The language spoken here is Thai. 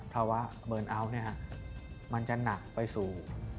เพราะว่าเบิร์นเอาท์เนี่ยมันจะหนักไปสู่